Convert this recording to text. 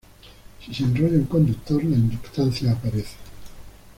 Si se enrolla un conductor, la inductancia aparece.